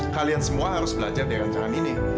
kalian semua harus belajar di rancangan ini